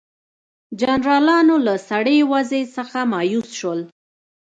جنرالانو له سړې وضع څخه مایوس شول.